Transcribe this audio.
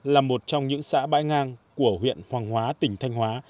là một trong những xã bãi ngang của huyện hoàng hóa tỉnh thanh hóa